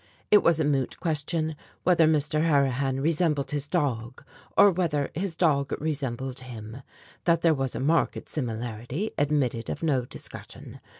It was a moot question whether Mr. Harrihan resembled his dog, or whether his dog resembled him. That there was a marked similarity admitted of no discussion.